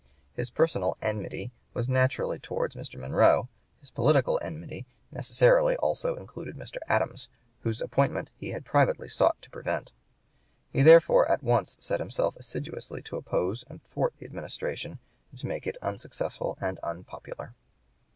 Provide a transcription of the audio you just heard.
His personal enmity was naturally towards Mr. Monroe; his political enmity necessarily also included Mr. Adams, whose appointment he had privately sought to prevent. He therefore at once set himself assiduously to oppose and thwart the administration, and to make it unsuccessful and unpopular.